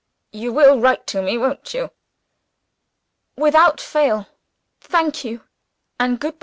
"You will write to me, won't you?" "Without fail. Thank you and good by."